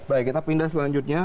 baik kita pindah selanjutnya